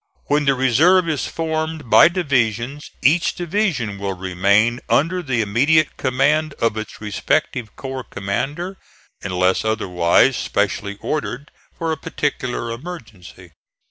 When the reserve is formed by divisions, each division will remain under the immediate command of its respective corps commander, unless otherwise specially ordered for a particular emergency.